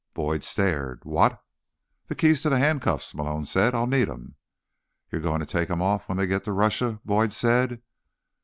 Boyd stared. "What?" "The keys to the handcuffs," Malone said. "I'll need 'em." "You're going to take them off when they get to Russia?" Boyd said.